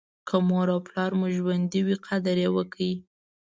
که مور او پلار مو ژوندي وي قدر یې وکړئ.